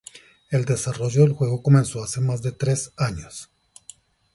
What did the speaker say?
El desarrollo del juego comenzó hace más de tres años.